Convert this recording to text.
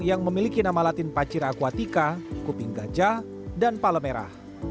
yang memiliki nama latin pacir aquatika kuping gajah dan palemera